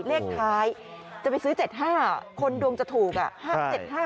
เลขท้ายจะไปซื้อ๗๕คนดวงจะถูกอ่ะ